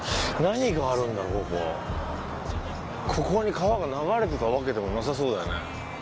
ここに川が流れてたわけでもなさそうだよね。